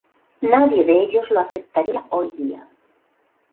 Nadie de ellos lo aceptaría hoy día.